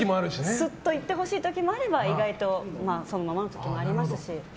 スッと言ってほしい時もあれば意外と、まあ、そのままの時もありますし。